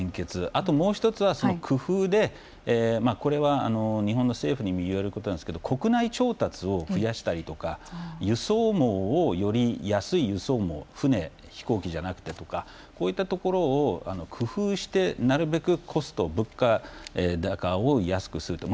あともう一つは工夫でこれは日本の政府にも言えることなんですけど国内調達を増やしたりとか輸送網をより安い輸送網船飛行機じゃなくてとかこういったところを工夫してなるべくコスト物価高を安くすると。